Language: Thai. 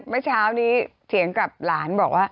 เมื่อเช้านี้เถียงกับหลานบอกว่า